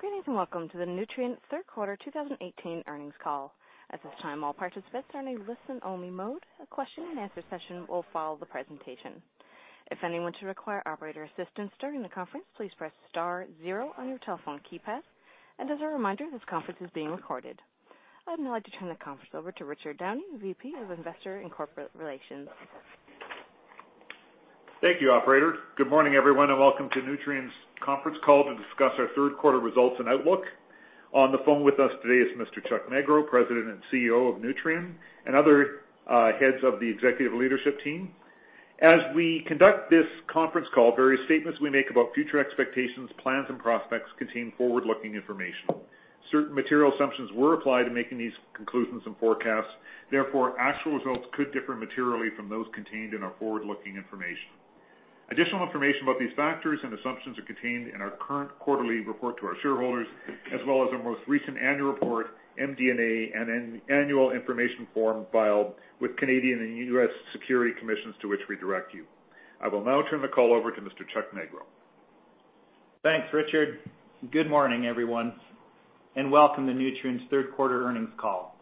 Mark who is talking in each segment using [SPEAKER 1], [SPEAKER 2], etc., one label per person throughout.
[SPEAKER 1] Greetings, welcome to the Nutrien Third Quarter 2018 Earnings Call. At this time, all participants are in a listen-only mode. A question and answer session will follow the presentation. If anyone should require operator assistance during the conference, please press star zero on your telephone keypad. As a reminder, this conference is being recorded. I'd now like to turn the conference over to Richard Downey, VP of Investor & Corporate Relations.
[SPEAKER 2] Thank you, operator. Good morning, everyone, welcome to Nutrien's conference call to discuss our third quarter results and outlook. On the phone with us today is Mr. Chuck Magro, President and CEO of Nutrien, other heads of the executive leadership team. As we conduct this conference call, various statements we make about future expectations, plans, and prospects contain forward-looking information. Certain material assumptions were applied in making these conclusions and forecasts, therefore actual results could differ materially from those contained in our forward-looking information. Additional information about these factors and assumptions are contained in our current quarterly report to our shareholders, as well as our most recent annual report, MD&A, and annual information form filed with Canadian and U.S. security commissions, to which we direct you. I will now turn the call over to Mr. Chuck Magro.
[SPEAKER 3] Thanks, Richard. Good morning, everyone, welcome to Nutrien's third quarter earnings call.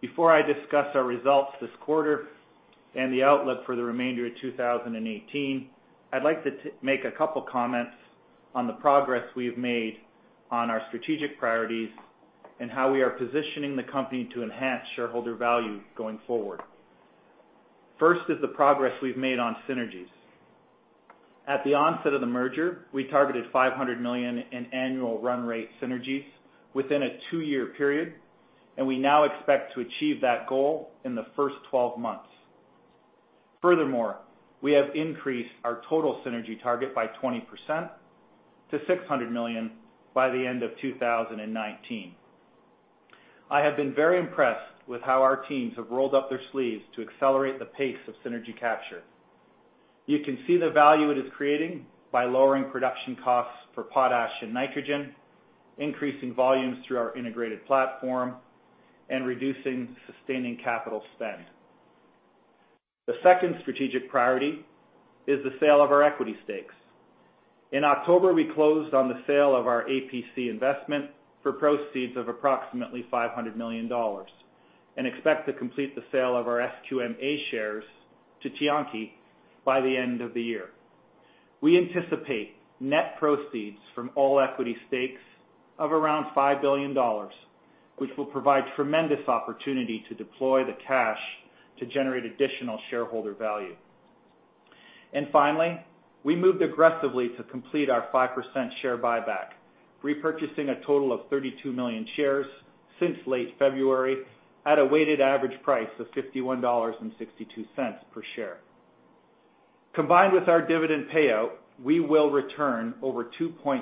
[SPEAKER 3] Before I discuss our results this quarter and the outlook for the remainder of 2018, I'd like to make a couple comments on the progress we have made on our strategic priorities, and how we are positioning the company to enhance shareholder value going forward. First is the progress we've made on synergies. At the onset of the merger, we targeted $500 million in annual run rate synergies within a two-year period, we now expect to achieve that goal in the first 12 months. Furthermore, we have increased our total synergy target by 20% to $600 million by the end of 2019. I have been very impressed with how our teams have rolled up their sleeves to accelerate the pace of synergy capture. You can see the value it is creating by lowering production costs for potash and nitrogen, increasing volumes through our integrated platform, reducing sustaining capital spend. The second strategic priority is the sale of our equity stakes. In October, we closed on the sale of our APC investment for proceeds of approximately $500 million, expect to complete the sale of our SQM A shares to Tianqi by the end of the year. We anticipate net proceeds from all equity stakes of around $5 billion, which will provide tremendous opportunity to deploy the cash to generate additional shareholder value. Finally, we moved aggressively to complete our 5% share buyback, repurchasing a total of 32 million shares since late February at a weighted average price of $51.62 per share. Combined with our dividend payout, we will return over $2.6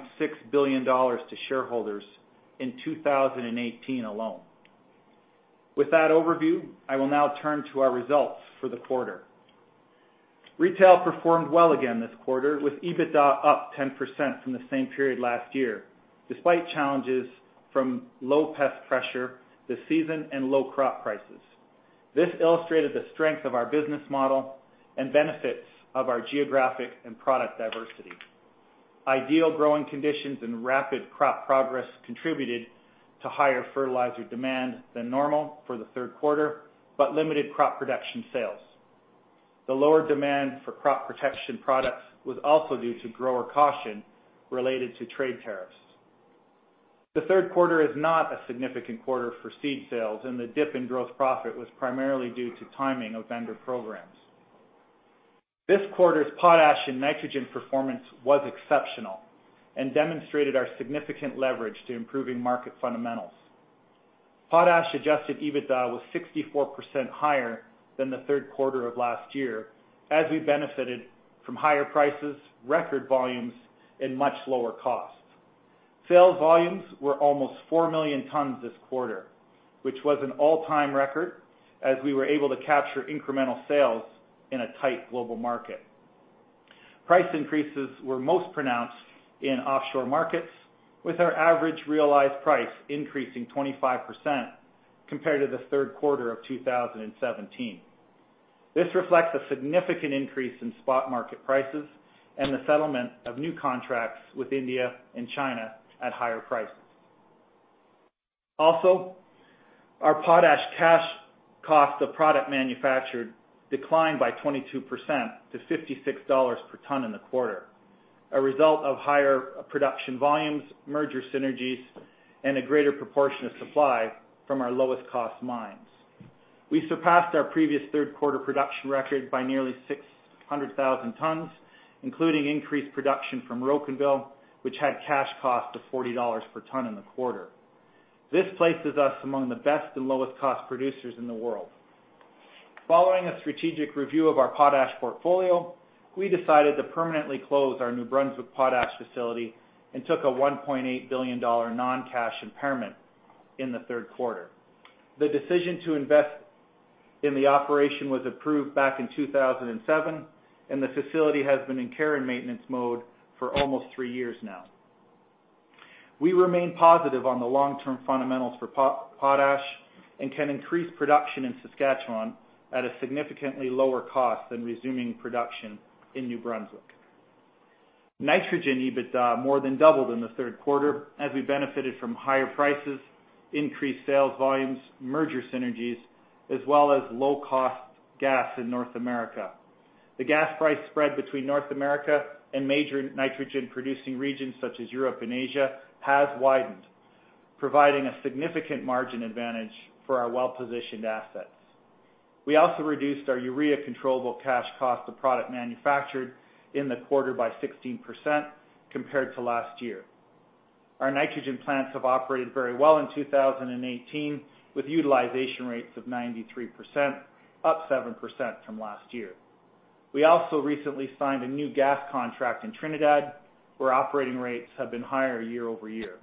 [SPEAKER 3] billion to shareholders in 2018 alone. With that overview, I will now turn to our results for the quarter. Retail performed well again this quarter, with EBITDA up 10% from the same period last year, despite challenges from low pest pressure this season and low crop prices. This illustrated the strength of our business model and benefits of our geographic and product diversity. Ideal growing conditions and rapid crop progress contributed to higher fertilizer demand than normal for the third quarter, but limited crop production sales. The lower demand for crop protection products was also due to grower caution related to trade tariffs. The third quarter is not a significant quarter for seed sales, and the dip in gross profit was primarily due to timing of vendor programs. This quarter's potash and nitrogen performance was exceptional and demonstrated our significant leverage to improving market fundamentals. Potash adjusted EBITDA was 64% higher than the third quarter of last year, as we benefited from higher prices, record volumes, and much lower costs. Sales volumes were almost 4 million tons this quarter, which was an all-time record, as we were able to capture incremental sales in a tight global market. Price increases were most pronounced in offshore markets, with our average realized price increasing 25% compared to the third quarter of 2017. This reflects a significant increase in spot market prices and the settlement of new contracts with India and China at higher prices. Our potash cash cost of product manufactured declined by 22% to $56 per ton in the quarter, a result of higher production volumes, merger synergies, and a greater proportion of supply from our lowest cost mines. We surpassed our previous third-quarter production record by nearly 600,000 tons, including increased production from Rocanville, which had cash cost of $40 per ton in the quarter. This places us among the best and lowest cost producers in the world. Following a strategic review of our potash portfolio, we decided to permanently close our New Brunswick potash facility and took a $1.8 billion non-cash impairment in the third quarter. The decision to invest in the operation was approved back in 2007, and the facility has been in care and maintenance mode for almost three years now. We remain positive on the long-term fundamentals for potash and can increase production in Saskatchewan at a significantly lower cost than resuming production in New Brunswick. Nitrogen EBITDA more than doubled in the third quarter as we benefited from higher prices, increased sales volumes, merger synergies, as well as low-cost gas in North America. The gas price spread between North America and major nitrogen-producing regions such as Europe and Asia has widened, providing a significant margin advantage for our well-positioned assets. We also reduced our urea controllable cash cost of product manufactured in the quarter by 16% compared to last year. Our nitrogen plants have operated very well in 2018, with utilization rates of 93%, up 7% from last year. We also recently signed a new gas contract in Trinidad, where operating rates have been higher year-over-year.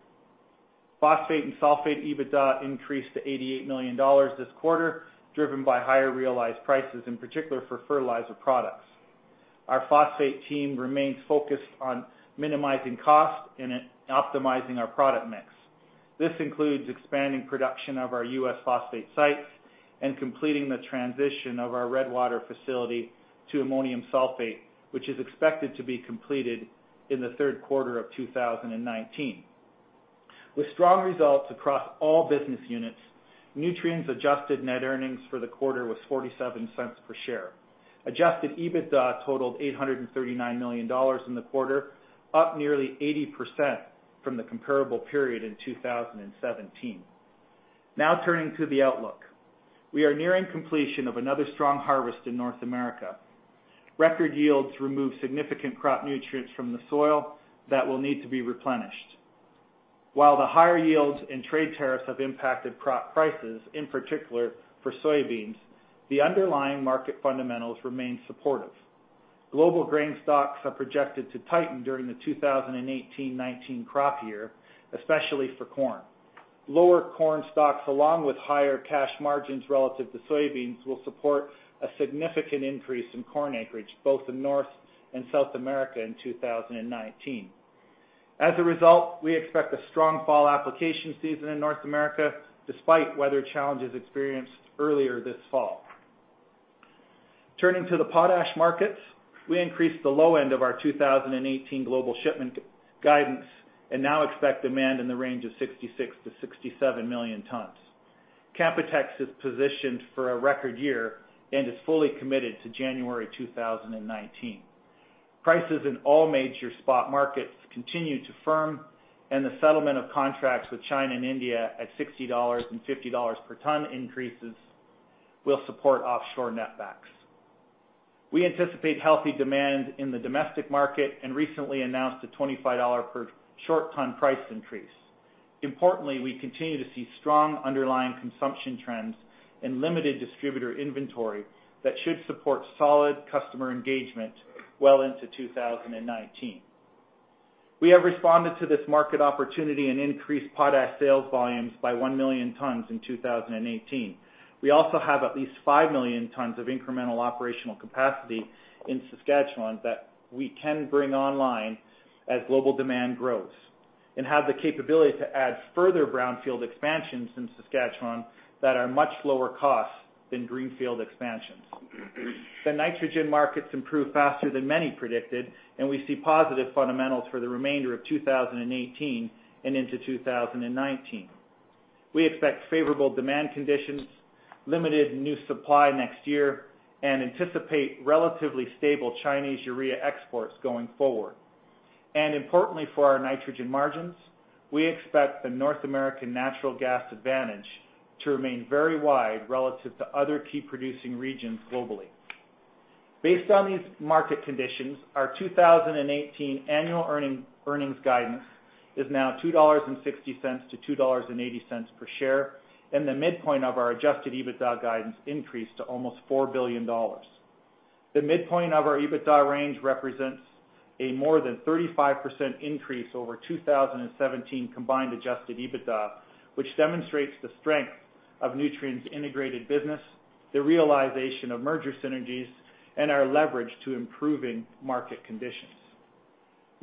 [SPEAKER 3] Phosphate and sulfate EBITDA increased to $88 million this quarter, driven by higher realized prices, in particular for fertilizer products. Our phosphate team remains focused on minimizing costs and optimizing our product mix. This includes expanding production of our U.S. phosphate sites and completing the transition of our Redwater facility to ammonium sulfate, which is expected to be completed in the third quarter of 2019. With strong results across all business units, Nutrien's adjusted net earnings for the quarter was $0.47 per share. Adjusted EBITDA totaled $839 million in the quarter, up nearly 80% from the comparable period in 2017. Turning to the outlook. We are nearing completion of another strong harvest in North America. Record yields remove significant crop nutrients from the soil that will need to be replenished. While the higher yields and trade tariffs have impacted crop prices, in particular for soybeans, the underlying market fundamentals remain supportive. Global grain stocks are projected to tighten during the 2018-19 crop year, especially for corn. Lower corn stocks, along with higher cash margins relative to soybeans, will support a significant increase in corn acreage both in North and South America in 2019. As a result, we expect a strong fall application season in North America, despite weather challenges experienced earlier this fall. Turning to the potash markets, we increased the low end of our 2018 global shipment guidance and now expect demand in the range of 66 to 67 million tons. Canpotex is positioned for a record year and is fully committed to January 2019. Prices in all major spot markets continue to firm, and the settlement of contracts with China and India at $60 and $50 per ton increases will support offshore netbacks. We anticipate healthy demand in the domestic market and recently announced a $25 per short ton price increase. Importantly, we continue to see strong underlying consumption trends and limited distributor inventory that should support solid customer engagement well into 2019. We have responded to this market opportunity and increased potash sales volumes by 1 million tons in 2018. We also have at least 5 million tons of incremental operational capacity in Saskatchewan that we can bring online as global demand grows and have the capability to add further brownfield expansions in Saskatchewan that are much lower cost than greenfield expansions. The nitrogen markets improved faster than many predicted, and we see positive fundamentals for the remainder of 2018 and into 2019. We expect favorable demand conditions, limited new supply next year, and anticipate relatively stable Chinese urea exports going forward. Importantly for our nitrogen margins, we expect the North American natural gas advantage to remain very wide relative to other key producing regions globally. Based on these market conditions, our 2018 annual earnings guidance is now $2.60 to $2.80 per share, and the midpoint of our adjusted EBITDA guidance increased to almost $4 billion. The midpoint of our EBITDA range represents a more than 35% increase over 2017 combined adjusted EBITDA, which demonstrates the strength of Nutrien's integrated business, the realization of merger synergies, and our leverage to improving market conditions.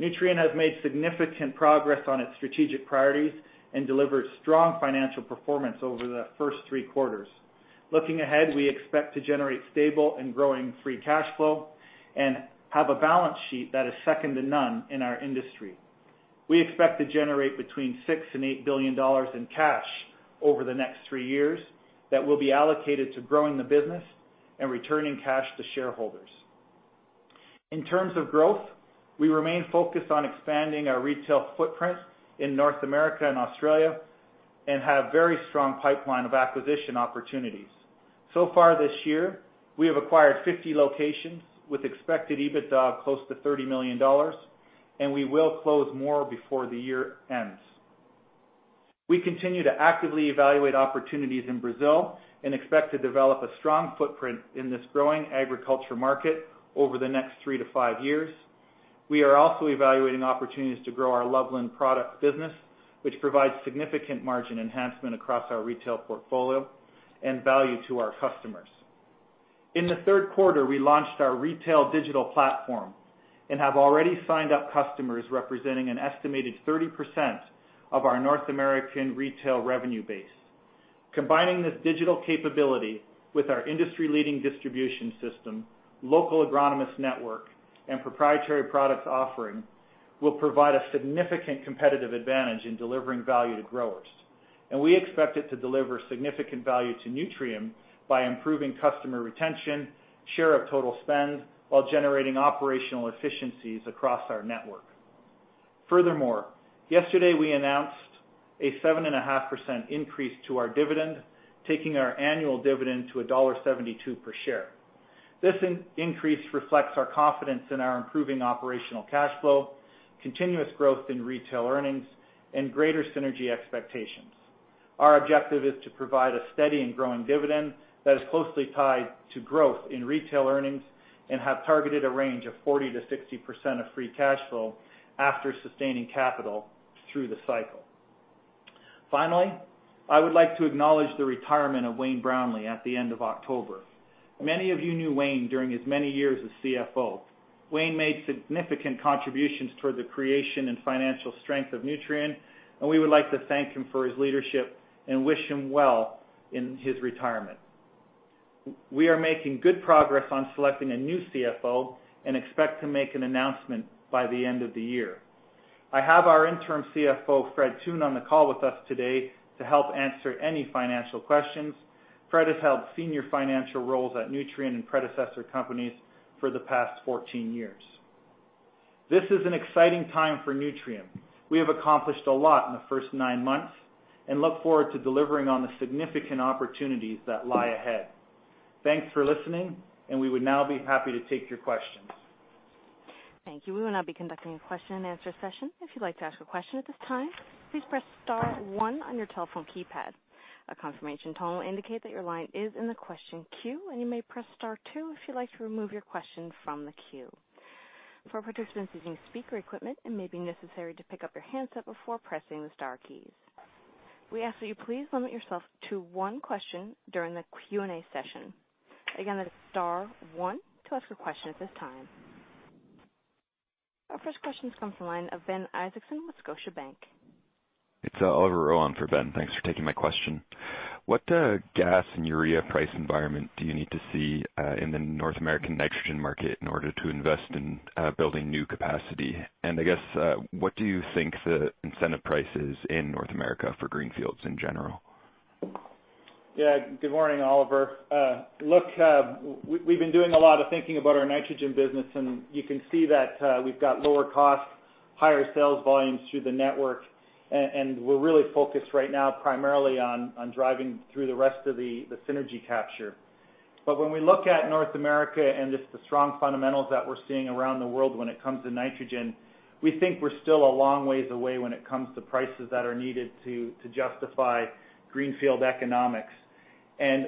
[SPEAKER 3] Nutrien has made significant progress on its strategic priorities and delivered strong financial performance over the first three quarters. Looking ahead, we expect to generate stable and growing free cash flow and have a balance sheet that is second to none in our industry. We expect to generate between $6 and $8 billion in cash over the next three years that will be allocated to growing the business and returning cash to shareholders. In terms of growth, we remain focused on expanding our retail footprint in North America and Australia and have very strong pipeline of acquisition opportunities. Far this year, we have acquired 50 locations with expected EBITDA close to $30 million, and we will close more before the year ends. We continue to actively evaluate opportunities in Brazil and expect to develop a strong footprint in this growing agriculture market over the next three to five years. We are also evaluating opportunities to grow our Loveland Products business, which provides significant margin enhancement across our retail portfolio and value to our customers. In the third quarter, we launched our retail digital platform and have already signed up customers representing an estimated 30% of our North American retail revenue base. Combining this digital capability with our industry-leading distribution system, local agronomist network, and proprietary products offering will provide a significant competitive advantage in delivering value to growers. We expect it to deliver significant value to Nutrien by improving customer retention, share of total spend, while generating operational efficiencies across our network. Furthermore, yesterday we announced a 7.5% increase to our dividend, taking our annual dividend to $1.72 per share. This increase reflects our confidence in our improving operational cash flow, continuous growth in retail earnings, and greater synergy expectations. Our objective is to provide a steady and growing dividend that is closely tied to growth in retail earnings and have targeted a range of 40%-60% of free cash flow after sustaining capital through the cycle. Finally, I would like to acknowledge the retirement of Wayne Brownlee at the end of October. Many of you knew Wayne during his many years as CFO. Wayne made significant contributions toward the creation and financial strength of Nutrien, and we would like to thank him for his leadership and wish him well in his retirement. We are making good progress on selecting a new CFO and expect to make an announcement by the end of the year. I have our interim CFO, Fred Toone, on the call with us today to help answer any financial questions. Fred has held senior financial roles at Nutrien and predecessor companies for the past 14 years. This is an exciting time for Nutrien. We have accomplished a lot in the first nine months and look forward to delivering on the significant opportunities that lie ahead. Thanks for listening, and we would now be happy to take your questions.
[SPEAKER 1] Thank you. We will now be conducting a question-and-answer session. If you'd like to ask a question at this time, please press star one on your telephone keypad. A confirmation tone will indicate that your line is in the question queue, and you may press star two if you'd like to remove your question from the queue. For participants using speaker equipment, it may be necessary to pick up your handset before pressing the star keys. We ask that you please limit yourself to one question during the Q&A session. Again, that is star one to ask a question at this time. Our first question comes from the line of Ben Isaacson, Scotiabank.
[SPEAKER 4] It's Oliver Rowan for Ben. Thanks for taking my question. What gas and urea price environment do you need to see in the North American nitrogen market in order to invest in building new capacity? I guess, what do you think the incentive price is in North America for greenfields in general?
[SPEAKER 3] Yeah. Good morning, Oliver. Look, we've been doing a lot of thinking about our nitrogen business. You can see that we've got lower costs, higher sales volumes through the network. We're really focused right now primarily on driving through the rest of the synergy capture. When we look at North America and just the strong fundamentals that we're seeing around the world when it comes to nitrogen, we think we're still a long ways away when it comes to prices that are needed to justify greenfield economics.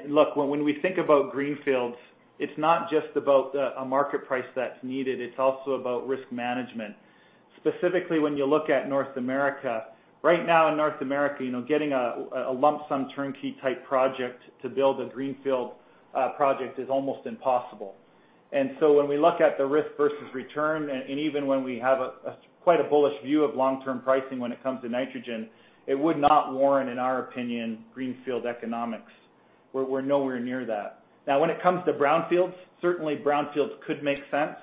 [SPEAKER 3] Look, when we think about greenfields, it's not just about a market price that's needed, it's also about risk management. Specifically, when you look at North America, right now in North America, getting a lump sum turnkey-type project to build a greenfield project is almost impossible. When we look at the risk versus return, even when we have quite a bullish view of long-term pricing when it comes to nitrogen, it would not warrant, in our opinion, greenfield economics. We're nowhere near that. Now, when it comes to brownfields, certainly brownfields could make sense.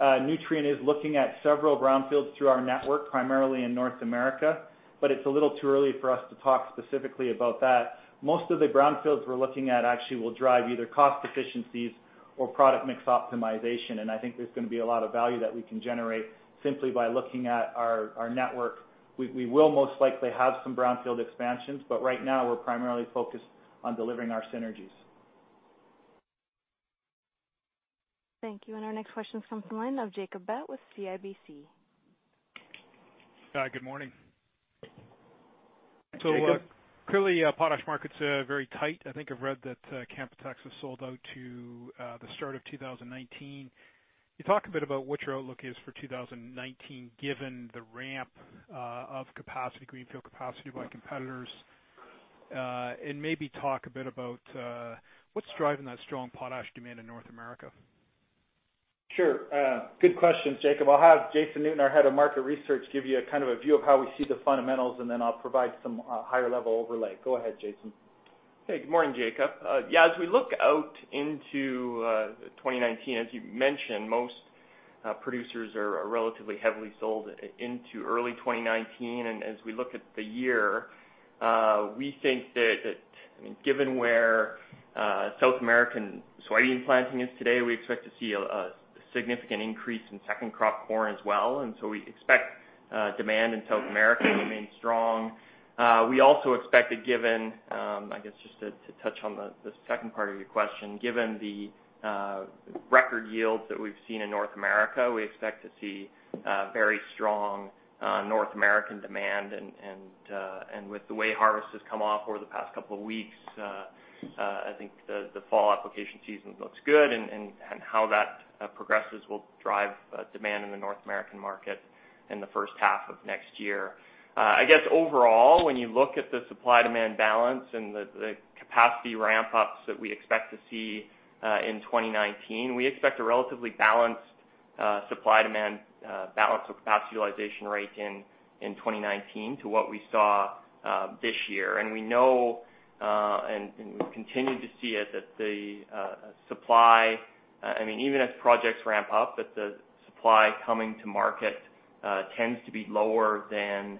[SPEAKER 3] Nutrien is looking at several brownfields through our network, primarily in North America, but it's a little too early for us to talk specifically about that. Most of the brownfields we're looking at actually will drive either cost efficiencies or product mix optimization. I think there's going to be a lot of value that we can generate simply by looking at our network. We will most likely have some brownfield expansions, but right now we're primarily focused on delivering our synergies.
[SPEAKER 1] Thank you. Our next question comes from the line of Jacob Bout with CIBC.
[SPEAKER 5] Hi. Good morning.
[SPEAKER 3] Jacob.
[SPEAKER 5] Clearly, potash market's very tight. I think I've read that Canpotex has sold out to the start of 2019. Can you talk a bit about what your outlook is for 2019 given the ramp of greenfield capacity by competitors? Maybe talk a bit about what's driving that strong potash demand in North America.
[SPEAKER 3] Sure. Good questions, Jacob. I'll have Jason Newton, our head of market research, give you a view of how we see the fundamentals, then I'll provide some higher-level overlay. Go ahead, Jason.
[SPEAKER 6] Hey. Good morning, Jacob. As we look out into 2019, as you mentioned, most producers are relatively heavily sold into early 2019. As we look at the year, we think that given where South American soybean planting is today, we expect to see a significant increase in second crop corn as well, so we expect demand in South America to remain strong. We also expect that given, I guess, just to touch on the second part of your question, given the record yields that we've seen in North America, we expect to see very strong North American demand. With the way harvest has come off over the past couple of weeks, I think the fall application season looks good, and how that progresses will drive demand in the North American market in the first half of next year. I guess overall, when you look at the supply-demand balance and the capacity ramp-ups that we expect to see in 2019, we expect a relatively balanced supply-demand balance or capacity utilization rate in 2019 to what we saw this year. We know, and we continue to see it, that the supply, even as projects ramp up, that the supply coming to market tends to be lower than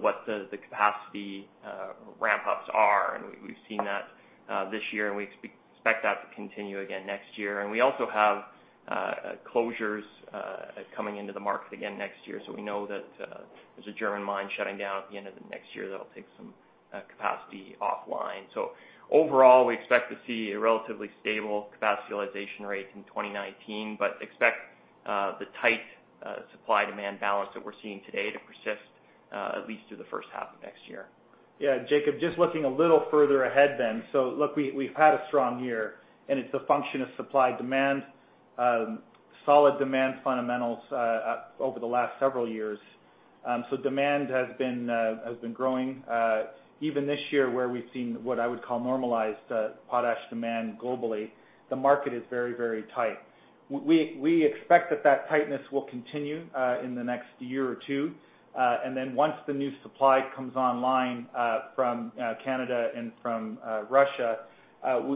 [SPEAKER 6] what the capacity ramp-ups are. We've seen that this year, and we expect that to continue again next year. We also have closures coming into the market again next year. We know that there's a German mine shutting down at the end of the next year that'll take some capacity offline. Overall, we expect to see a relatively stable capacity utilization rate in 2019, but expect the tight supply-demand balance that we're seeing today to persist at least through the first half of next year.
[SPEAKER 3] Yeah, Jacob, just looking a little further ahead then. Look, we've had a strong year, and it's a function of supply-demand, solid demand fundamentals over the last several years. Demand has been growing, even this year, where we've seen what I would call normalized potash demand globally. The market is very tight. We expect that that tightness will continue in the next year or two. Once the new supply comes online from Canada and from Russia,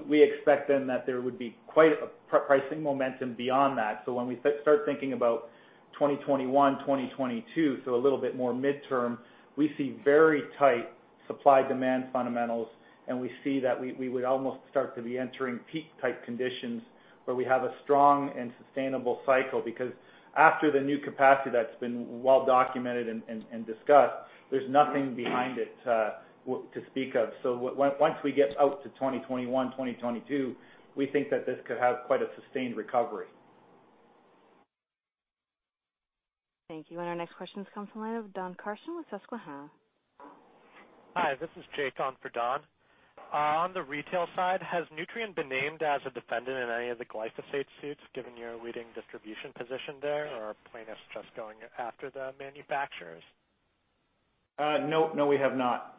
[SPEAKER 3] we expect then that there would be quite a pricing momentum beyond that. When we start thinking about 2021, 2022, a little bit more midterm, we see very tight supply-demand fundamentals, and we see that we would almost start to be entering peak-type conditions where we have a strong and sustainable cycle. Because after the new capacity that's been well documented and discussed, there's nothing behind it to speak of. Once we get out to 2021, 2022, we think that this could have quite a sustained recovery.
[SPEAKER 1] Thank you. Our next question comes from the line of Don Carson with Susquehanna.
[SPEAKER 7] Hi, this is Jay, Don for Don. On the retail side, has Nutrien been named as a defendant in any of the glyphosate suits given your leading distribution position there, or are plaintiffs just going after the manufacturers?
[SPEAKER 3] No, we have not.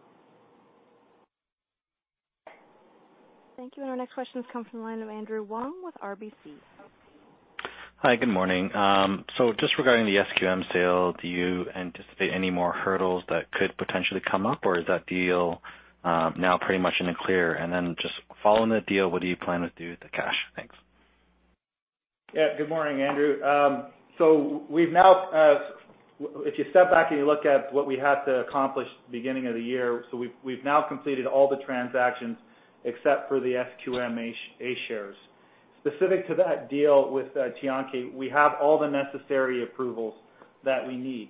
[SPEAKER 1] Thank you. Our next question comes from the line of Andrew Wong with RBC.
[SPEAKER 8] Hi, good morning. Just regarding the SQM sale, do you anticipate any more hurdles that could potentially come up? Is that deal now pretty much in the clear? Just following the deal, what do you plan to do with the cash? Thanks.
[SPEAKER 3] Good morning, Andrew. If you step back and you look at what we had to accomplish at the beginning of the year, we've now completed all the transactions except for the SQM A shares. Specific to that deal with Tianqi, we have all the necessary approvals that we need.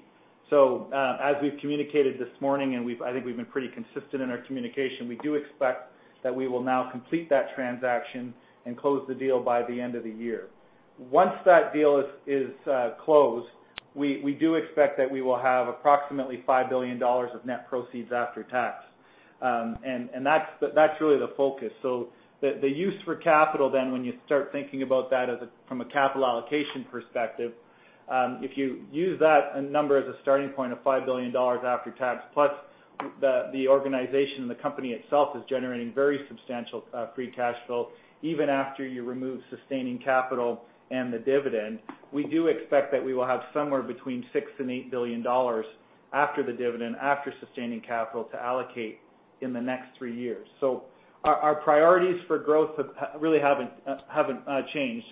[SPEAKER 3] As we've communicated this morning, and I think we've been pretty consistent in our communication, we do expect that we will now complete that transaction and close the deal by the end of the year. Once that deal is closed, we do expect that we will have approximately $5 billion of net proceeds after tax. That's really the focus. The use for capital then, when you start thinking about that from a capital allocation perspective, if you use that number as a starting point of $5 billion after tax, plus the organization and the company itself is generating very substantial free cash flow, even after you remove sustaining capital and the dividend. We do expect that we will have somewhere between $6 billion-$8 billion after the dividend, after sustaining capital to allocate in the next three years. Our priorities for growth really haven't changed.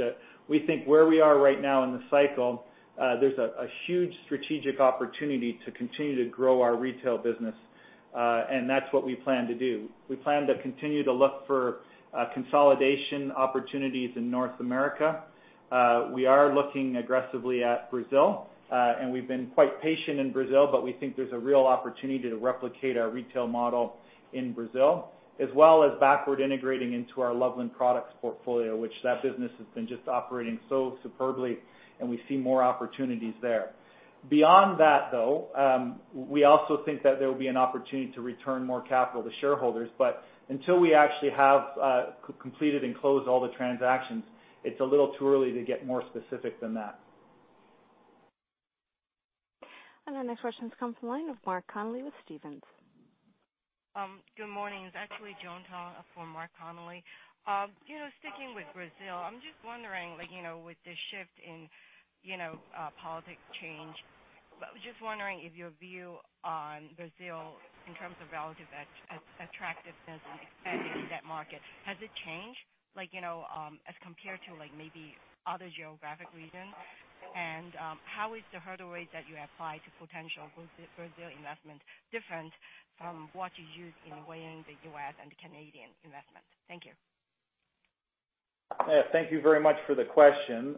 [SPEAKER 3] We think where we are right now in the cycle, there's a huge strategic opportunity to continue to grow our retail business. That's what we plan to do. We plan to continue to look for consolidation opportunities in North America. We are looking aggressively at Brazil. We've been quite patient in Brazil, but we think there's a real opportunity to replicate our retail model in Brazil, as well as backward integrating into our Loveland Products portfolio, which that business has been just operating so superbly, we see more opportunities there. Beyond that, though, we also think that there will be an opportunity to return more capital to shareholders. Until we actually have completed and closed all the transactions, it's a little too early to get more specific than that.
[SPEAKER 1] Our next question comes from the line of Mark Connelly with Stephens.
[SPEAKER 9] Good morning. It's actually Joan Tong for Mark Connelly. Sticking with Brazil, I'm just wondering, with this shift in politics change, I was just wondering if your view on Brazil in terms of relative attractiveness and expanding in that market, has it changed? As compared to maybe other geographic regions? How is the hurdle rate that you apply to potential Brazil investments different from what you use in weighing the U.S. and Canadian investments? Thank you.
[SPEAKER 3] Thank you very much for the question.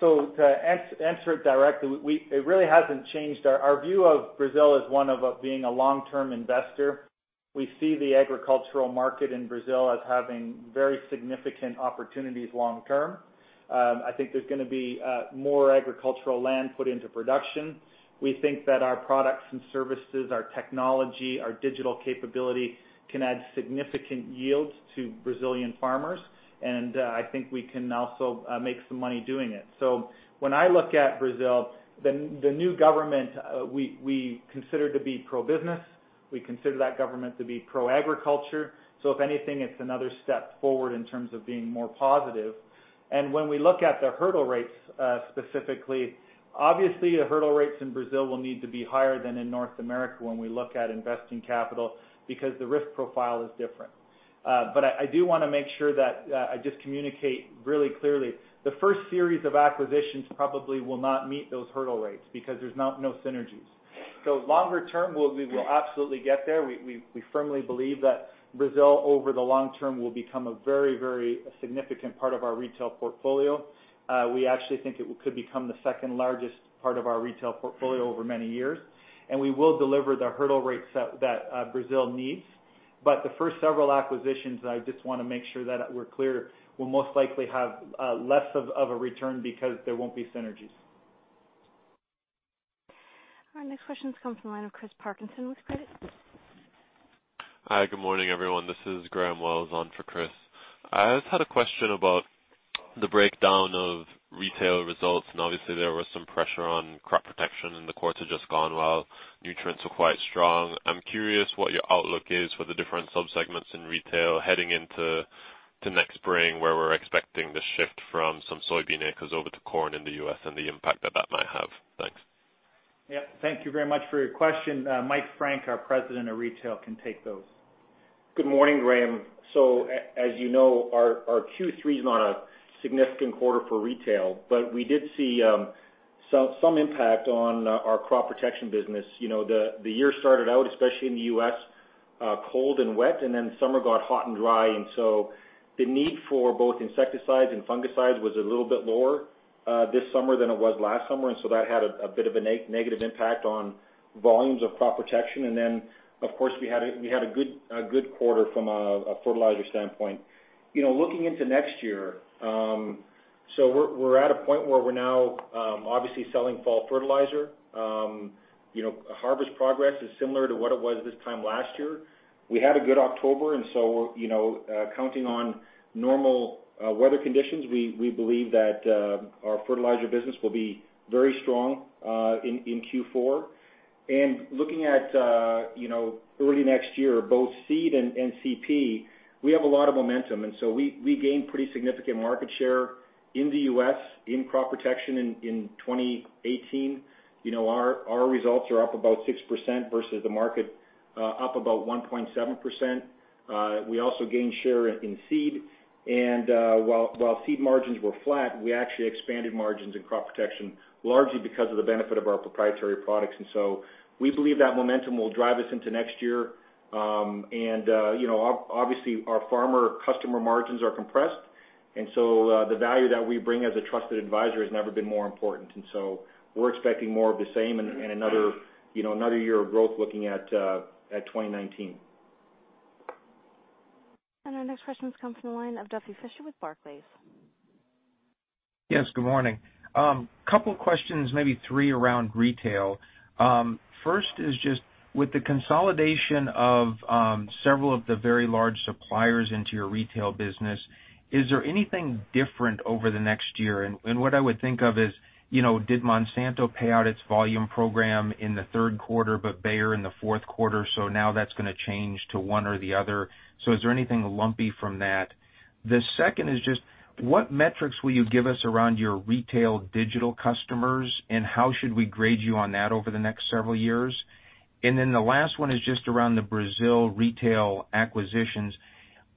[SPEAKER 3] To answer it directly, it really hasn't changed. Our view of Brazil is one of being a long-term investor. We see the agricultural market in Brazil as having very significant opportunities long term. I think there's going to be more agricultural land put into production. We think that our products and services, our technology, our digital capability can add significant yields to Brazilian farmers. I think we can also make some money doing it. When I look at Brazil, the new government we consider to be pro-business. We consider that government to be pro-agriculture. If anything, it's another step forward in terms of being more positive. When we look at the hurdle rates, specifically, obviously, the hurdle rates in Brazil will need to be higher than in North America when we look at investing capital, because the risk profile is different. I do want to make sure that I just communicate really clearly. The first series of acquisitions probably will not meet those hurdle rates because there's no synergies. Longer term, we will absolutely get there. We firmly believe that Brazil, over the long term, will become a very significant part of our retail portfolio. We actually think it could become the second largest part of our retail portfolio over many years, and we will deliver the hurdle rates that Brazil needs. The first several acquisitions, I just want to make sure that we're clear, will most likely have less of a return because there won't be synergies.
[SPEAKER 1] Our next question comes from the line of Chris Parkinson with Credit Suisse.
[SPEAKER 10] Hi, good morning, everyone. This is Graham Wells on for Chris. I just had a question about the breakdown of retail results. Obviously, there was some pressure on crop protection, and the [quarters] had just gone while nutrients were quite strong. I am curious what your outlook is for the different sub-segments in retail heading into next spring, where we are expecting the shift from some soybean acres over to corn in the U.S. and the impact that that might have. Thanks.
[SPEAKER 3] Yeah. Thank you very much for your question. Mike Frank, our President of Retail, can take those.
[SPEAKER 11] Good morning, Graham. As you know, our Q3 is not a significant quarter for retail. We did see some impact on our crop protection business. The year started out, especially in the U.S., cold and wet. Summer got hot and dry. The need for both insecticides and fungicides was a little bit lower this summer than it was last summer. That had a bit of a negative impact on volumes of crop protection. Of course, we had a good quarter from a fertilizer standpoint. Looking into next year, we are at a point where we are now obviously selling fall fertilizer. Harvest progress is similar to what it was this time last year. We had a good October. Counting on normal weather conditions, we believe that our fertilizer business will be very strong in Q4. Looking at early next year, both seed and CP, we have a lot of momentum. We gained pretty significant market share in the U.S. in crop protection in 2018. Our results are up about 6% versus the market up about 1.7%. We also gained share in seed. While seed margins were flat, we actually expanded margins in crop protection, largely because of the benefit of our proprietary products. We believe that momentum will drive us into next year. Obviously, our farmer customer margins are compressed, so the value that we bring as a trusted advisor has never been more important. We're expecting more of the same and another year of growth looking at 2019.
[SPEAKER 1] Our next question comes from the line of Duffy Fischer with Barclays.
[SPEAKER 12] Yes, good morning. Couple questions, maybe three, around retail. First is just with the consolidation of several of the very large suppliers into your retail business, is there anything different over the next year? What I would think of is, did Monsanto pay out its volume program in the third quarter, but Bayer in the fourth quarter? Now that's going to change to one or the other. Is there anything lumpy from that? The second is just, what metrics will you give us around your retail digital customers, and how should we grade you on that over the next several years? The last one is just around the Brazil retail acquisitions.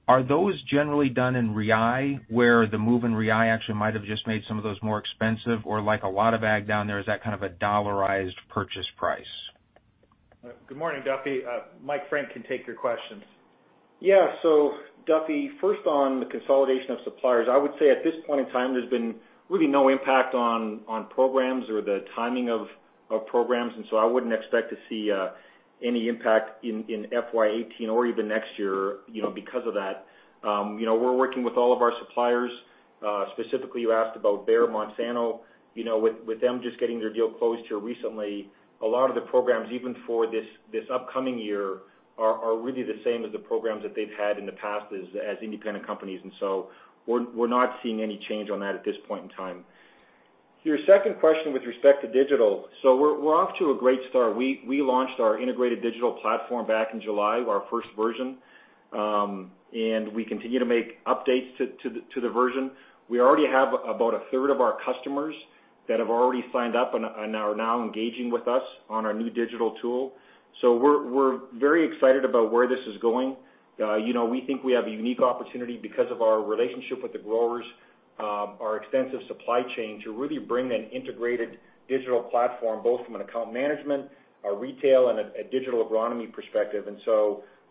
[SPEAKER 12] Are those generally done in BRL where the move in BRL actually might have just made some of those more expensive? Like a lot of ag down there, is that kind of a dollarized purchase price?
[SPEAKER 3] Good morning, Duffy. Mike Frank can take your questions.
[SPEAKER 11] Duffy, first on the consolidation of suppliers, I would say at this point in time, there's been really no impact on programs or the timing of programs, I wouldn't expect to see any impact in FY 2018 or even next year because of that. We're working with all of our suppliers. Specifically, you asked about Bayer, Monsanto. With them just getting their deal closed here recently, a lot of the programs, even for this upcoming year, are really the same as the programs that they've had in the past as independent companies, we're not seeing any change on that at this point in time. Your second question with respect to digital. We're off to a great start. We launched our integrated digital platform back in July, our first version, and we continue to make updates to the version. We already have about a third of our customers that have already signed up and are now engaging with us on our new digital tool. We're very excited about where this is going. We think we have a unique opportunity because of our relationship with the growers, our extensive supply chain to really bring an integrated digital platform, both from an account management, a retail, and a digital agronomy perspective.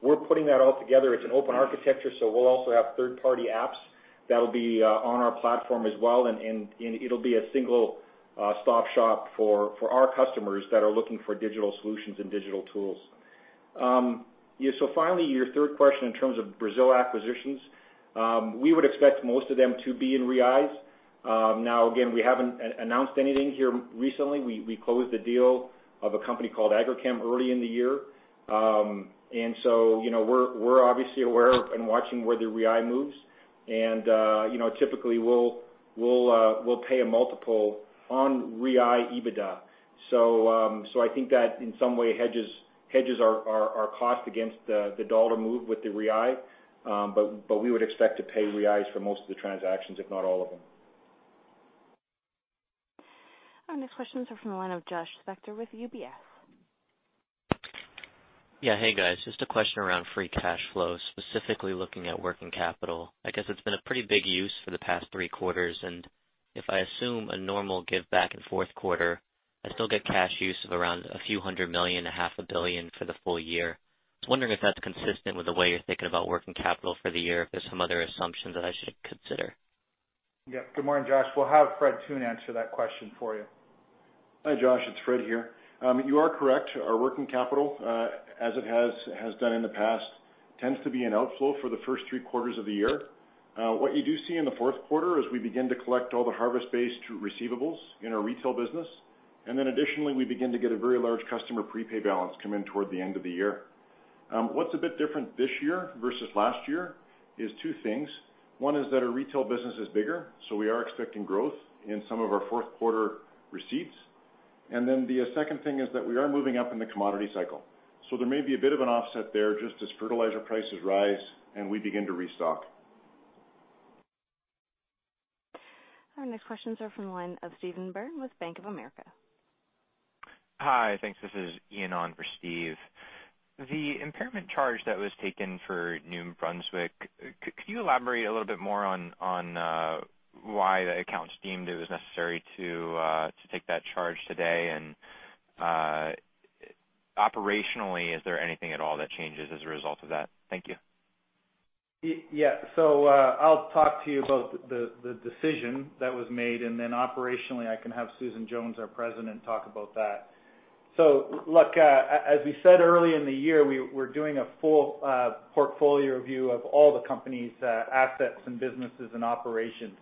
[SPEAKER 11] We're putting that all together. It's an open architecture, we'll also have third-party apps that'll be on our platform as well, and it'll be a single-stop shop for our customers that are looking for digital solutions and digital tools. Finally, your third question in terms of Brazil acquisitions. We would expect most of them to be in Reais. Again, we haven't announced anything here recently. We closed the deal of a company called Agrichem early in the year. We're obviously aware of and watching where the BRL moves.
[SPEAKER 3] Typically, we'll pay a multiple on Real EBITDA. I think that in some way hedges our cost against the dollar move with the real. We would expect to pay Reais for most of the transactions, if not all of them.
[SPEAKER 1] Our next questions are from the line of Joshua Spector with UBS.
[SPEAKER 13] Hey, guys. Just a question around free cash flow, specifically looking at working capital. I guess it's been a pretty big use for the past three quarters, and if I assume a normal give back in fourth quarter, I still get cash use of around a few hundred million, a half a billion for the full year. I was wondering if that's consistent with the way you're thinking about working capital for the year, if there's some other assumptions that I should consider.
[SPEAKER 3] Good morning, Josh. We'll have Fred Toone answer that question for you.
[SPEAKER 14] Hi, Josh. It's Fred here. You are correct. Our working capital, as it has done in the past, tends to be an outflow for the first three quarters of the year. What you do see in the fourth quarter is we begin to collect all the harvest-based receivables in our retail business. Additionally, we begin to get a very large customer prepay balance come in toward the end of the year. What's a bit different this year versus last year is two things. One is that our retail business is bigger, so we are expecting growth in some of our fourth quarter receipts. The second thing is that we are moving up in the commodity cycle. There may be a bit of an offset there just as fertilizer prices rise and we begin to restock.
[SPEAKER 1] Our next questions are from the line of Steve Byrne with Bank of America.
[SPEAKER 15] Hi. Thanks. This is Ian on for Steve. The impairment charge that was taken for New Brunswick, could you elaborate a little bit more on why the accounts deemed it was necessary to take that charge today? Operationally, is there anything at all that changes as a result of that? Thank you.
[SPEAKER 3] I'll talk to you about the decision that was made. Operationally, I can have Susan Jones, our President, talk about that. Look, as we said early in the year, we're doing a full portfolio review of all the company's assets and businesses and operations.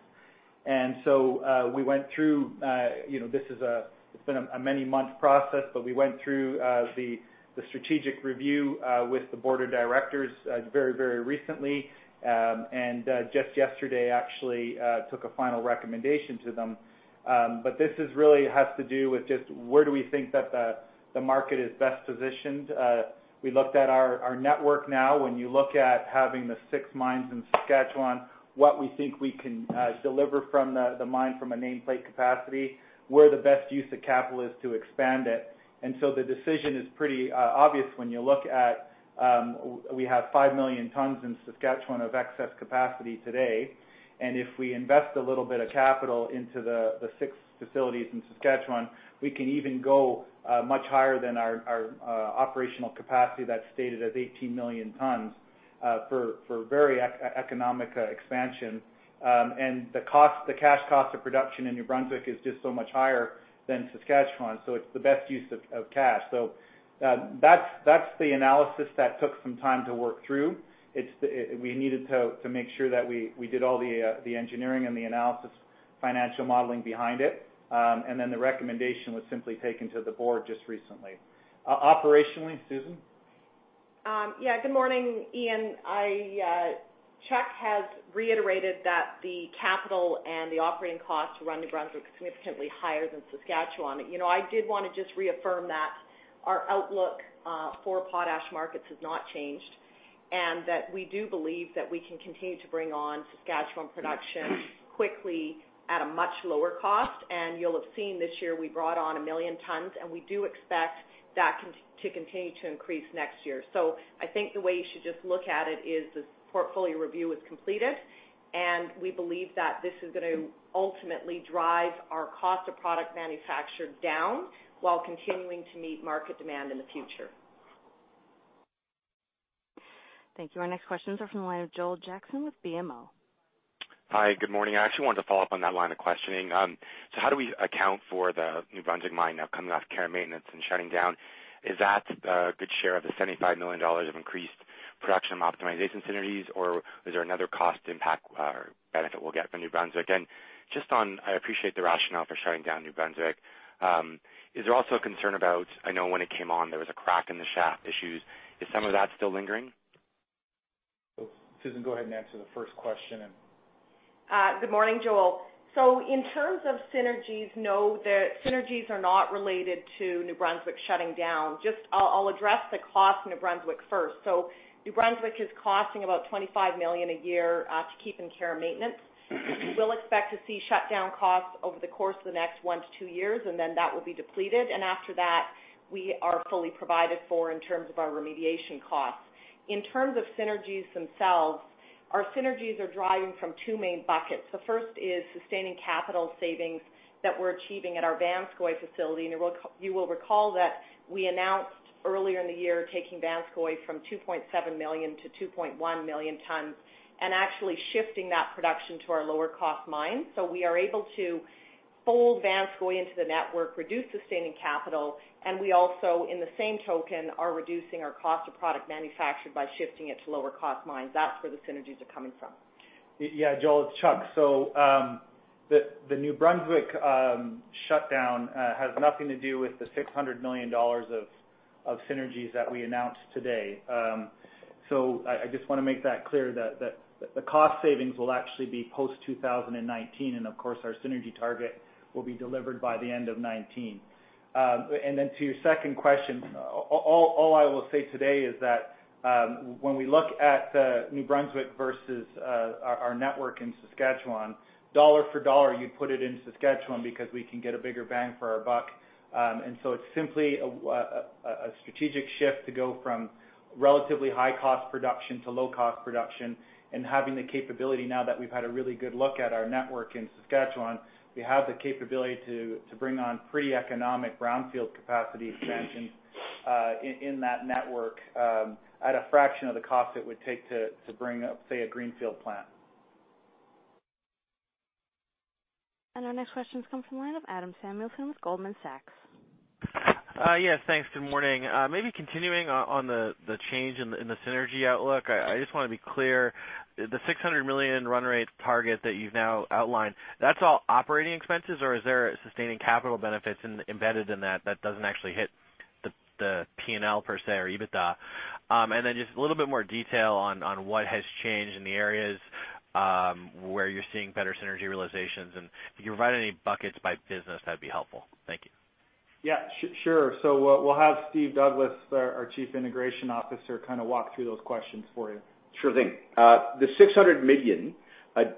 [SPEAKER 3] We went through It's been a many-month process. We went through the strategic review with the board of directors very recently, and just yesterday actually took a final recommendation to them. This really has to do with just where do we think that the market is best positioned. We looked at our network now. You look at having the six mines in Saskatchewan, what we think we can deliver from the mine from a nameplate capacity, where the best use of capital is to expand it. The decision is pretty obvious when you look at, we have 5 million tons in Saskatchewan of excess capacity today, and if we invest a little bit of capital into the 6 facilities in Saskatchewan, we can even go much higher than our operational capacity that's stated as 18 million tons for very economic expansion. The cash cost of production in New Brunswick is just so much higher than Saskatchewan, so it's the best use of cash. That's the analysis that took some time to work through. We needed to make sure that we did all the engineering and the analysis, financial modeling behind it. The recommendation was simply taken to the board just recently. Operationally, Susan?
[SPEAKER 16] Yeah. Good morning, Ian. Chuck has reiterated that the capital and the operating costs to run New Brunswick is significantly higher than Saskatchewan. I did want to just reaffirm that our outlook for potash markets has not changed, and that we do believe that we can continue to bring on Saskatchewan production quickly at a much lower cost. You'll have seen this year, we brought on 1 million tons, and we do expect that to continue to increase next year. I think the way you should just look at it is the portfolio review is completed, and we believe that this is going to ultimately drive our cost of product manufactured down while continuing to meet market demand in the future.
[SPEAKER 1] Thank you. Our next questions are from the line of Joel Jackson with BMO.
[SPEAKER 17] Hi. Good morning. I actually wanted to follow up on that line of questioning. How do we account for the New Brunswick mine now coming off care and maintenance and shutting down? Is that a good share of the $75 million of increased production optimization synergies, or is there another cost impact or benefit we'll get from New Brunswick? I appreciate the rationale for shutting down New Brunswick. Is there also a concern about, I know when it came on, there was a crack in the shaft issues. Is some of that still lingering?
[SPEAKER 3] Susan, go ahead and answer the first question.
[SPEAKER 16] Good morning, Joel. In terms of synergies, no, the synergies are not related to New Brunswick shutting down. I'll address the cost of New Brunswick first. New Brunswick is costing about $25 million a year to keep in care and maintenance. We'll expect to see shutdown costs over the course of the next one to two years, and then that will be depleted. After that, we are fully provided for, in terms of our remediation costs. In terms of synergies themselves, our synergies are driving from two main buckets. The first is sustaining capital savings that we're achieving at our Vanscoy facility. You will recall that we announced earlier in the year taking Vanscoy from 2.7 million to 2.1 million tons and actually shifting that production to our lower cost mine. We are able to pull Vanscoy into the network, reduce sustaining capital, and we also, in the same token, are reducing our cost of product manufactured by shifting it to lower cost mines. That's where the synergies are coming from.
[SPEAKER 3] Yeah, Joel, it's Chuck. The New Brunswick shutdown has nothing to do with the $600 million of synergies that we announced today. I just want to make that clear that the cost savings will actually be post 2019, of course, our synergy target will be delivered by the end of 2019. To your second question, all I will say today is that when we look at New Brunswick versus our network in Saskatchewan, dollar for dollar, you'd put it in Saskatchewan because we can get a bigger bang for our buck. It's simply a strategic shift to go from relatively high-cost production to low-cost production and having the capability now that we've had a really good look at our network in Saskatchewan. We have the capability to bring on pre-economic brownfield capacity expansions in that network at a fraction of the cost it would take to bring up, say, a greenfield plant.
[SPEAKER 1] Our next question comes from the line of Adam Samuelson with Goldman Sachs.
[SPEAKER 18] Yes, thanks. Good morning. Maybe continuing on the change in the synergy outlook, I just want to be clear, the $600 million run rate target that you've now outlined, that's all operating expenses or is there sustaining capital benefits embedded in that doesn't actually hit the P&L per se or EBITDA? Then just a little bit more detail on what has changed in the areas where you're seeing better synergy realizations, and if you can provide any buckets by business, that'd be helpful. Thank you.
[SPEAKER 3] Yeah, sure. We'll have Steve Douglas, our Chief Integration Officer, walk through those questions for you.
[SPEAKER 19] Sure thing. The $600 million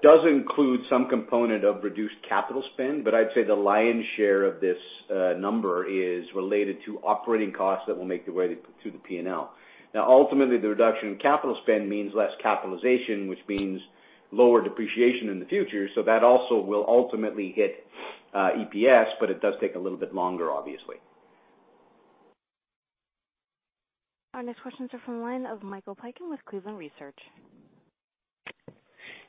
[SPEAKER 19] does include some component of reduced capital spend, but I'd say the lion's share of this number is related to operating costs that will make their way to the P&L. Now, ultimately, the reduction in capital spend means less capitalization, which means lower depreciation in the future. That also will ultimately hit EPS, but it does take a little bit longer, obviously.
[SPEAKER 1] Our next questions are from the line of Michael Piken with Cleveland Research.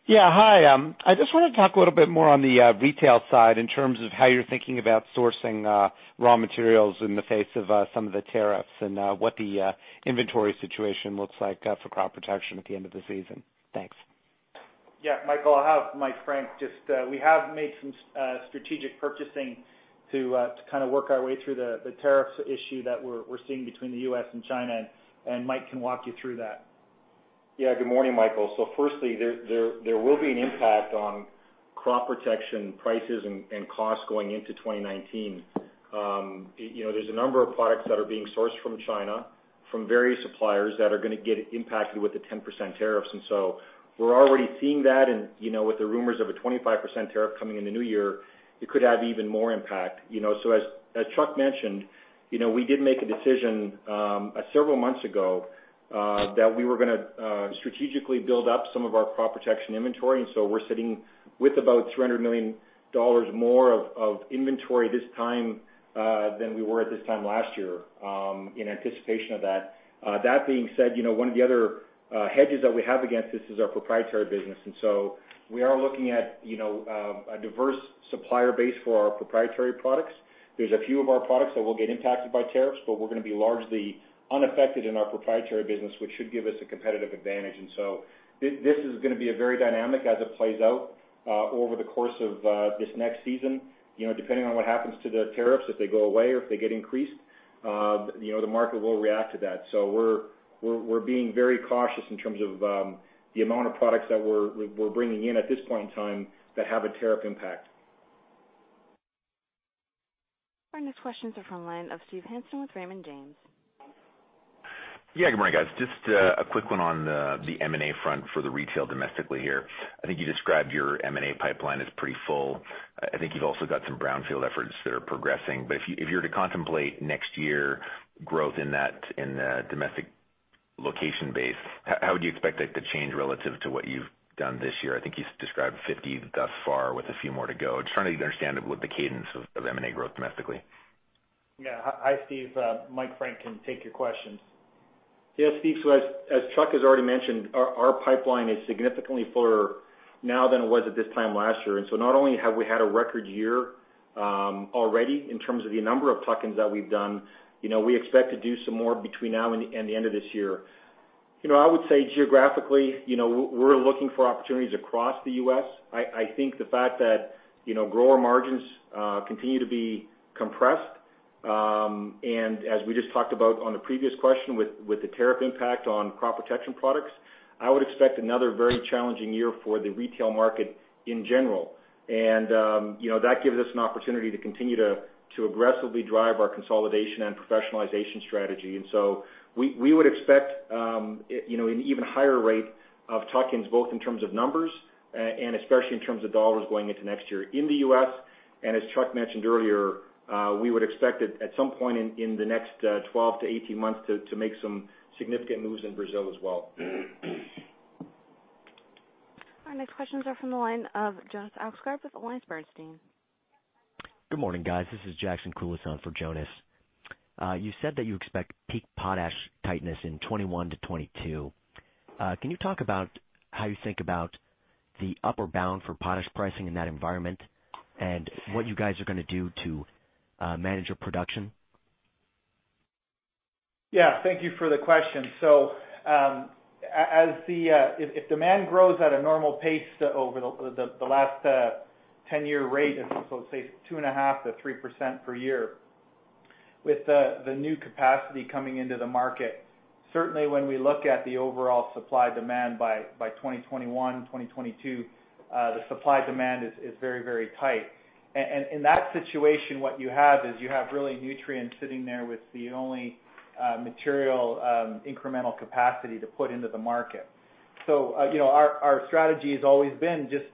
[SPEAKER 20] Hi, I just wanted to talk a little bit more on the retail side in terms of how you're thinking about sourcing raw materials in the face of some of the tariffs and what the inventory situation looks like for crop protection at the end of the season. Thanks.
[SPEAKER 3] Michael, I'll have Mike Frank. We have made some strategic purchasing to work our way through the tariff issue that we're seeing between the U.S. and China, Mike can walk you through that.
[SPEAKER 11] Yeah. Good morning, Michael Piken. Firstly, there will be an impact on crop protection prices and costs going into 2019. There is a number of products that are being sourced from China, from various suppliers, that are going to get impacted with the 10% tariffs. We are already seeing that, and with the rumors of a 25% tariff coming in the new year, it could have even more impact. As Chuck Magro mentioned, we did make a decision several months ago that we were going to strategically build up some of our crop protection inventory. We are sitting with about $300 million more of inventory this time than we were at this time last year in anticipation of that. That being said, one of the other hedges that we have against this is our proprietary business. We are looking at a diverse supplier base for our proprietary products. There are a few of our products that will get impacted by tariffs, but we are going to be largely unaffected in our proprietary business, which should give us a competitive advantage. This is going to be very dynamic as it plays out over the course of this next season. Depending on what happens to the tariffs, if they go away or if they get increased, the market will react to that. We are being very cautious in terms of the amount of products that we are bringing in at this point in time that have a tariff impact.
[SPEAKER 1] Our next questions are from the line of Steve Hansen with Raymond James.
[SPEAKER 21] Yeah. Good morning, guys. Just a quick one on the M&A front for the retail domestically here. I think you described your M&A pipeline as pretty full. I think you have also got some brownfield efforts that are progressing. If you were to contemplate next year growth in the domestic location base, how would you expect that to change relative to what you have done this year? I think you described 50 thus far with a few more to go. Just trying to understand the cadence of M&A growth domestically.
[SPEAKER 3] Yeah. Hi, Steve. Mike Frank can take your questions.
[SPEAKER 11] Yeah, Steve. As Chuck has already mentioned, our pipeline is significantly fuller now than it was at this time last year. Not only have we had a record year already in terms of the number of tuck-ins that we've done. We expect to do some more between now and the end of this year. I would say geographically, we are looking for opportunities across the U.S. I think the fact that grower margins continue to be compressed, as we just talked about on the previous question with the tariff impact on crop protection products, I would expect another very challenging year for the retail market in general. That gives us an opportunity to continue to aggressively drive our consolidation and professionalization strategy. We would expect an even higher rate of tuck-ins, both in terms of numbers and especially in terms of dollars going into next year in the U.S. As Chuck mentioned earlier, we would expect it at some point in the next 12-18 months to make some significant moves in Brazil as well.
[SPEAKER 1] Our next questions are from the line of Jonas Oxgaard with AllianceBernstein.
[SPEAKER 22] Good morning, guys. This is Jackson Cluison for Jonas. You said that you expect peak potash tightness in 2021 to 2022. Can you talk about how you think about the upper bound for potash pricing in that environment and what you guys are going to do to manage your production?
[SPEAKER 3] Yeah. Thank you for the question. If demand grows at a normal pace over the last 10-year rate is, let's say, 2.5%-3% per year. With the new capacity coming into the market, certainly when we look at the overall supply-demand by 2021, 2022, the supply-demand is very tight. In that situation, what you have is you have really Nutrien sitting there with the only material incremental capacity to put into the market. Our strategy has always been just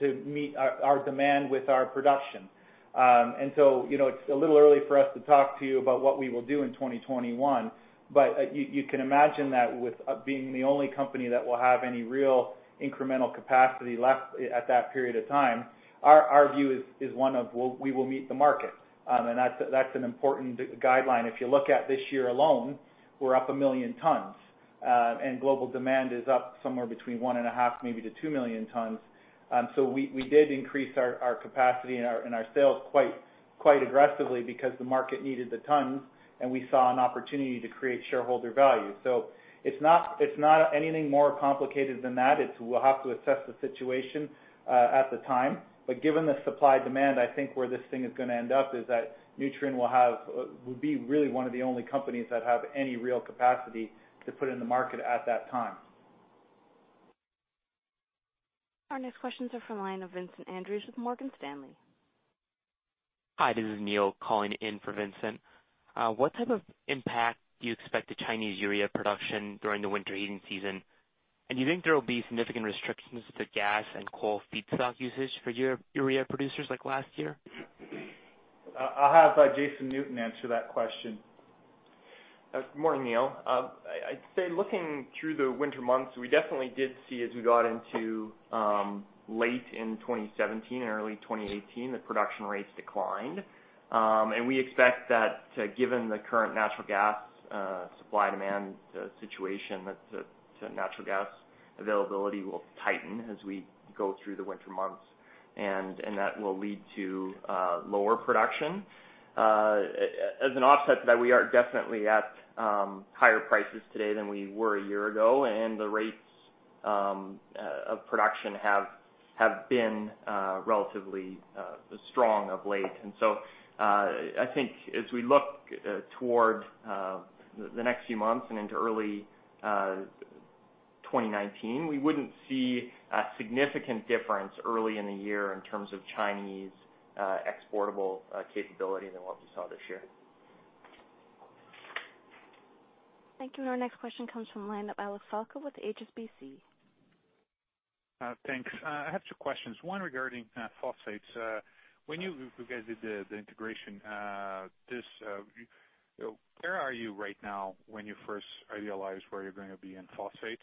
[SPEAKER 3] to meet our demand with our production. It's a little early for us to talk to you about what we will do in 2021, but you can imagine that with being the only company that will have any real incremental capacity left at that period of time, our view is one of we will meet the market, and that's an important guideline. If you look at this year alone, we're up 1 million tons, and global demand is up somewhere between 1.5 million-2 million tons. We did increase our capacity and our sales quite aggressively because the market needed the tons, and we saw an opportunity to create shareholder value. It's not anything more complicated than that. We'll have to assess the situation at the time, but given the supply-demand, I think where this thing is going to end up is that Nutrien will be really one of the only companies that have any real capacity to put in the market at that time.
[SPEAKER 1] Our next questions are from the line of Vincent Andrews with Morgan Stanley.
[SPEAKER 23] Hi, this is Neil calling in for Vincent. What type of impact do you expect to Chinese urea production during the winter heating season? Do you think there will be significant restrictions to gas and coal feedstock usage for urea producers like last year?
[SPEAKER 3] I'll have Jason Newton answer that question.
[SPEAKER 6] Good morning, Neil. I'd say looking through the winter months, we definitely did see as we got into late in 2017 and early 2018, that production rates declined. We expect that given the current natural gas, supply-demand situation, that natural gas availability will tighten as we go through the winter months, and that will lead to lower production. As an offset to that, we are definitely at higher prices today than we were a year ago, and the rates of production have been relatively strong of late. So, I think as we look toward the next few months and into early 2019, we wouldn't see a significant difference early in the year in terms of Chinese exportable capability than what we saw this year.
[SPEAKER 1] Thank you. Our next question comes from the line of Alex Falcao with HSBC.
[SPEAKER 24] Thanks. I have two questions. One regarding phosphates. When you guys did the integration, where are you right now when you first idealized where you're going to be in phosphates?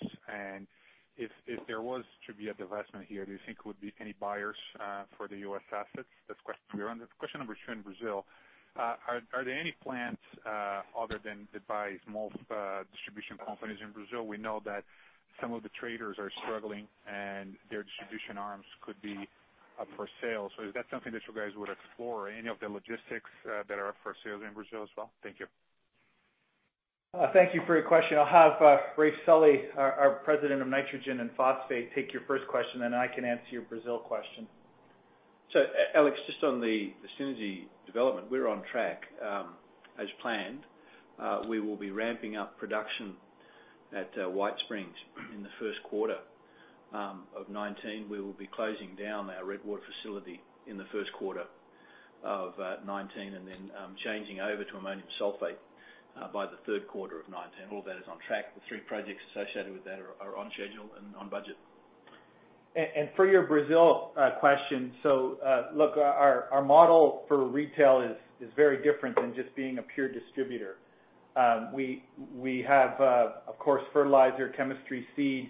[SPEAKER 24] If there was to be a divestment here, do you think it would be any buyers for the U.S. assets? That's question one. Question number two, in Brazil, are there any plans other than to buy small distribution companies in Brazil? We know that some of the traders are struggling and their distribution arms could be up for sale. Is that something that you guys would explore? Any of the logistics that are for sale in Brazil as well? Thank you.
[SPEAKER 3] Thank you for your question. I'll have Raef Sully, our President of Nitrogen and Phosphate, take your first question, then I can answer your Brazil question.
[SPEAKER 25] Alex, just on the synergy development, we're on track as planned. We will be ramping up production at White Springs in the first quarter of 2019. We will be closing down our Redwater facility in the first quarter of 2019 and then changing over to ammonium sulfate by the third quarter of 2019. All that is on track. The three projects associated with that are on schedule and on budget.
[SPEAKER 3] For your Brazil question, look, our model for retail is very different than just being a pure distributor. We have of course fertilizer, chemistry, seed.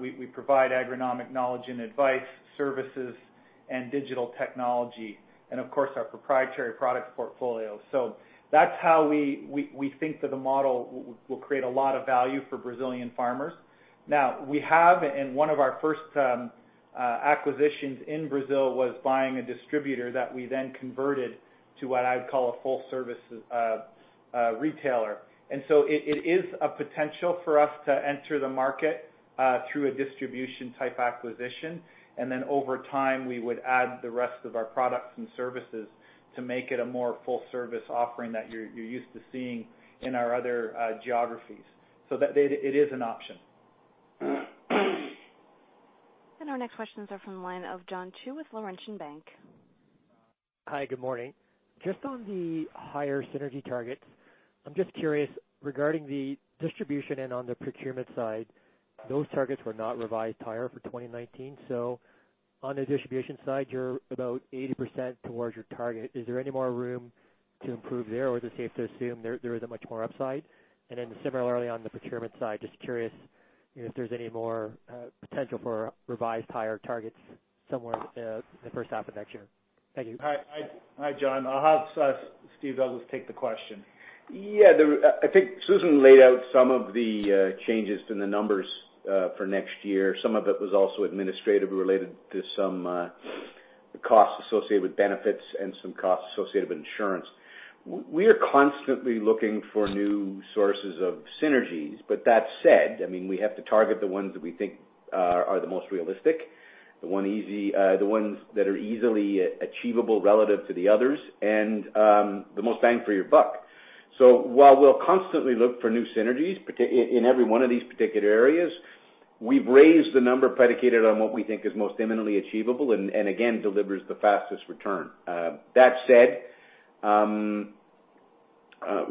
[SPEAKER 3] We provide agronomic knowledge and advice, services, and digital technology, and of course our proprietary product portfolio. That's how we think that the model will create a lot of value for Brazilian farmers. Now, we have in one of our first acquisitions in Brazil was buying a distributor that we then converted to what I'd call a full-service retailer. It is a potential for us to enter the market through a distribution type acquisition. Over time, we would add the rest of our products and services to make it a more full-service offering that you're used to seeing in our other geographies. It is an option.
[SPEAKER 1] Our next questions are from the line of John Chu with Laurentian Bank.
[SPEAKER 26] Hi, good morning. Just on the higher synergy targets, I'm just curious regarding the distribution and on the procurement side, those targets were not revised higher for 2019. On the distribution side, you're about 80% towards your target. Is there any more room to improve there, or is it safe to assume there isn't much more upside? Similarly on the procurement side, just curious if there's any more potential for revised higher targets somewhere in the first half of next year. Thank you.
[SPEAKER 3] Hi, John. I'll have Steve Douglas take the question.
[SPEAKER 19] I think Susan laid out some of the changes in the numbers for next year. Some of it was also administrative related to some costs associated with benefits and some costs associated with insurance. We are constantly looking for new sources of synergies, but that said, we have to target the ones that we think are the most realistic, the ones that are easily achievable relative to the others, and the most bang for your buck. While we'll constantly look for new synergies in every one of these particular areas, we've raised the number predicated on what we think is most imminently achievable and again, delivers the fastest return. That said,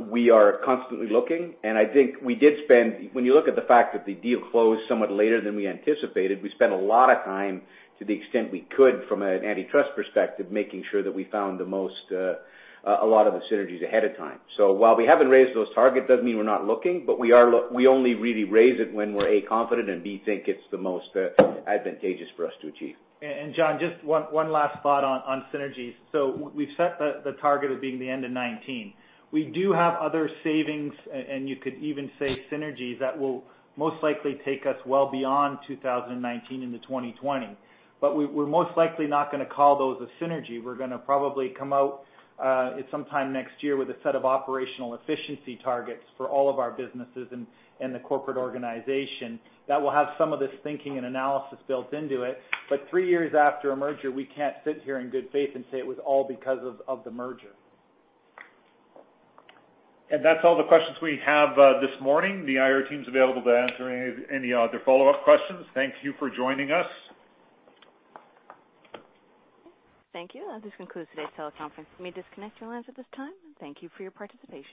[SPEAKER 19] we are constantly looking. I think we did spend. When you look at the fact that the deal closed somewhat later than we anticipated, we spent a lot of time to the extent we could from an antitrust perspective, making sure that we found a lot of the synergies ahead of time. While we haven't raised those targets doesn't mean we're not looking, but we only really raise it when we're, A, confident, and B, think it's the most advantageous for us to achieve.
[SPEAKER 3] John, just one last thought on synergies. We've set the target of being the end of 2019. We do have other savings, and you could even say synergies that will most likely take us well beyond 2019 into 2020. We're most likely not going to call those a synergy. We're going to probably come out at some time next year with a set of operational efficiency targets for all of our businesses and the corporate organization that will have some of this thinking and analysis built into it. Three years after a merger, we can't sit here in good faith and say it was all because of the merger.
[SPEAKER 2] That's all the questions we have this morning. The IR team's available to answer any other follow-up questions. Thank you for joining us. Thank you. This concludes today's teleconference. You may disconnect your lines at this time. Thank you for your participation.